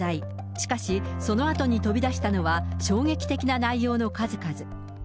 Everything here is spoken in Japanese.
しかし、そのあとに飛び出したのは、衝撃的な内容の数々。